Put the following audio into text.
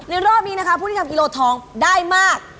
รอบนี้นะคะผู้ที่ทำกิโลทองได้มาก